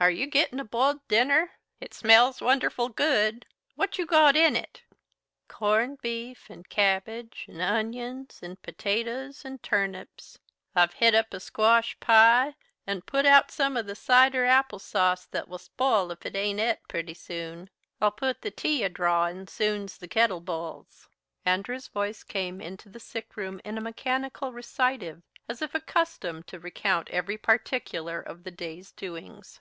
"Are you gittin' a b'iled dinner? It smells wonderful good. What you got in it?" "Corned beef and cabbage and onions and potatoes and turnips. I've het up a squash pie and put out some of the cider apple sauce that will spile if it isn't et pretty soon. I'll put the tea a drawin' soon's the kittle b'iles." Andrew's voice came into the sick room in a mechanical recitative, as if accustomed to recount every particular of the day's doings.